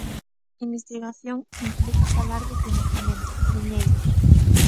Investigación implica falar de financiamento, de diñeiro.